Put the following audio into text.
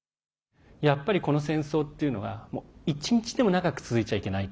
やっぱりこの戦争っていうのが１日でも長く続いちゃいけない。